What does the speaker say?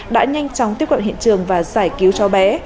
đã nhanh chóng tiếp cận hiện trường và giải cứu cháu bé